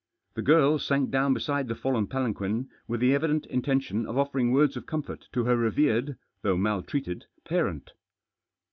The girl sank down beside the fallen palanquin with the evident intention of offering words of comfort to her revered, though maltreated, parent.